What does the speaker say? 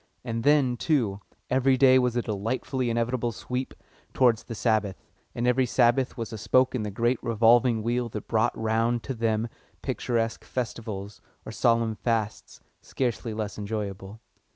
And then, too, every day was a delightfully inevitable sweep towards the Sabbath, and every Sabbath was a spoke in the great revolving wheel that brought round to them picturesque Festivals, or solemn Fasts, scarcely less enjoyable.